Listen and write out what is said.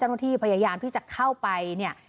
เจ้าหน้าที่พยายามที่จะเข้าไปเนี่ย